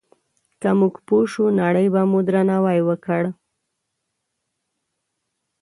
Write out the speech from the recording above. که موږ پوه شو، نړۍ به مو درناوی وکړي.